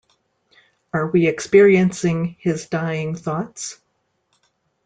Are we experiencing his dying thoughts?